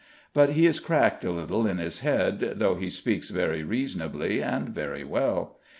But he is cracked a little in his head, though he speaks very reasonably, and very well.